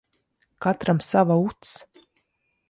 Katram sava uts.